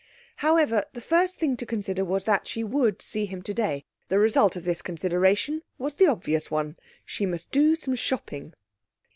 However, the first thing to consider was that she would see him today. The result of this consideration was the obvious one. She must do some shopping.